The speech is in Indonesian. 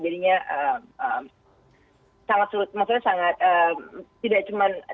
jadi itu jadinya sangat sulit maksudnya sangat tidak cuma